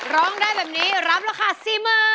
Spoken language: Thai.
ร้องได้แบบนี้รับราคาสี่หมื่น